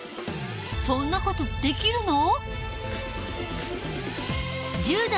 そんな事できるの？